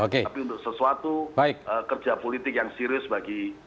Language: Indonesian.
tapi untuk sesuatu kerja politik yang serius bagi